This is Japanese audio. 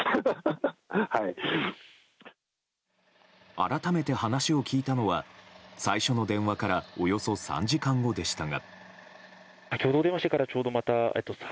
改めて話を聞いたのは最初の電話からおよそ３時間後でしたが。